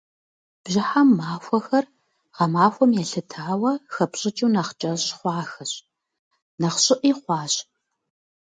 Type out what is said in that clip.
Бжьыхьэм махуэхэр, гъэмахуэм елъытауэ, хэпщӏыкӏыу нэхъ кӏэщӏ хъуахэщ, нэхъ щӏыӏи хъуащ.